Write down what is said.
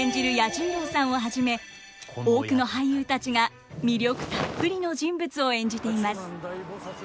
彌十郎さんをはじめ多くの俳優たちが魅力たっぷりの人物を演じています。